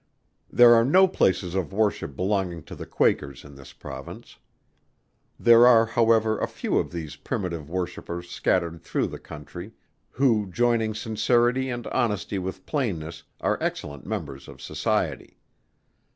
There are no places of worship belonging to the Quakers in this Province. There are however, a few of these primitive worshippers scattered through the country, who joining sincerity and honesty with plainness, are excellent members of society.